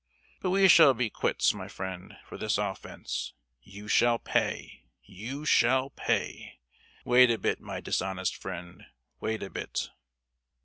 But we shall be quits, my friend, for this offence! You shall pay, you shall pay! Wait a bit, my dishonest friend; wait a bit!"